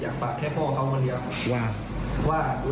อยากฝากแค่พ่อเขาคนเดียวว่าดูแลลูกตัวเองให้ดีลูกตัวเองโบหกมาถ่ายรับภักดิ์